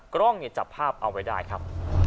กล้องเนี่ยจับภาพเอาไว้ได้ครับ